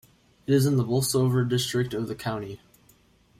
It is in the Bolsover district of the county.